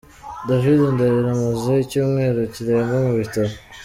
David Ndahiro amaze icyumweru kirenga mu bitaro.